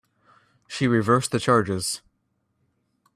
She reversed the charges.